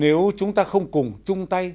nếu chúng ta không cùng chung tay